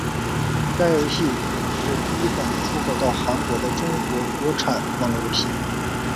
该游戏是第一款出口到韩国的中国国产网络游戏。